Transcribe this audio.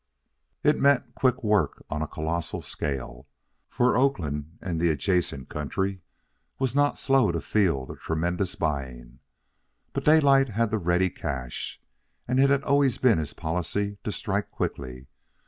It meant quick work on a colossal scale, for Oakland and the adjacent country was not slow to feel the tremendous buying. But Daylight had the ready cash, and it had always been his policy to strike quickly.